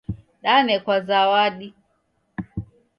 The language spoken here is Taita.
Denekwa zawadi